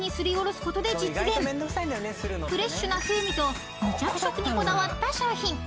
［フレッシュな風味と無着色にこだわった商品］